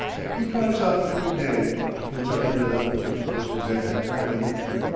He drives out every day, gets up at eleven, and goes to bed at nine.